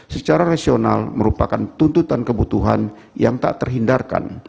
secara rasional merupakan tuntutan kebutuhan yang tak terhindarkan